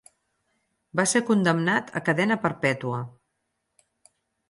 Va ser condemnat a cadena perpètua.